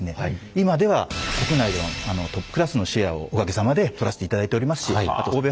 今では国内でのトップクラスのシェアをおかげさまでとらせていただいておりますし欧米